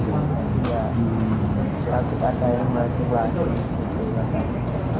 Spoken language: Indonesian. tapi ada yang masih masuk